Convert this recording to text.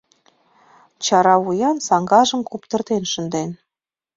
Чаравуян, саҥгажым куптыртен шынден.